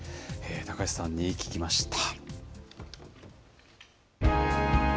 高橋さんに聞きました。